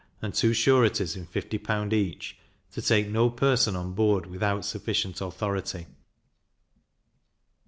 and two sureties in 50L. each, to take no person on board without sufficient authority.